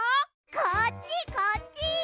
こっちこっち！